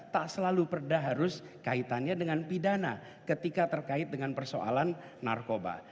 tak selalu perda harus kaitannya dengan pidana ketika terkait dengan persoalan narkoba